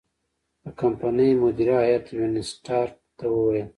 د کمپنۍ مدیره هیات وینسیټارټ ته وویل.